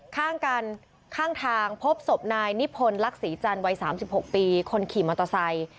ข้างกันข้างทางพบศพนายนิพนธลักษีจันทร์วัย๓๖ปีคนขี่มอเตอร์ไซค์